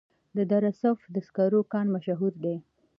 د دره صوف د سکرو کان مشهور دی